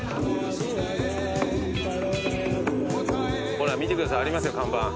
ほら見てくださいありますよ看板。